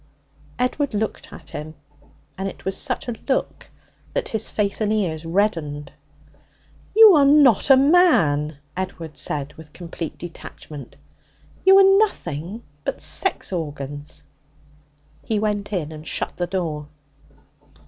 Edward looked at him, and it was such a look that his face and ears reddened. 'You are not a man,' Edward said, with complete detachment; 'you are nothing but sex organs.' He went in and shut the door.